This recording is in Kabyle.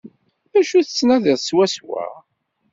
D acu tettnadiḍ swaswa?